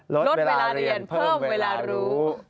ลดเวลาเรียนเพิ่มเวลารู้